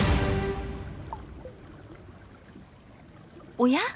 おや？